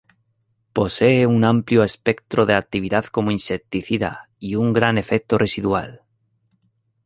Posee una amplio espectro de actividad como insecticida y un gran efecto residual.